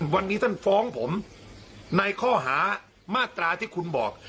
วันนี้ท่านฟ้องผมในข้อหามาตราที่คุณบอก